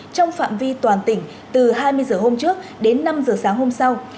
trong phạm vi toàn tỉnh từ hai mươi h hôm trước đến năm h sáng hôm sau